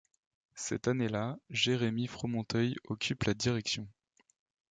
Cette année-là, Jérémie Fromonteil occupe la direction.